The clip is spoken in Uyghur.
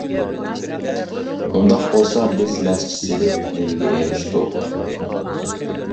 ئۇنداق بولسا بىز مەسچىت سېلىپ نېمىگە ئېرىشتۇق!